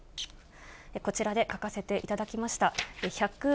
こちらで書かせていただきました。